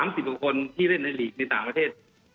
๑๐กว่าคนที่เล่นในหลีกในต่างประเทศ